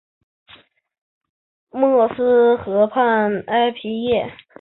默斯河畔埃皮耶。